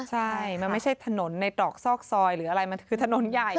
ใช่มันไม่ใช่ถนนในตรอกซอกซอยหรืออะไรมันคือถนนใหญ่